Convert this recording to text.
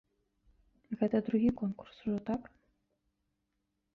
Гэта другі конкурс ужо, так?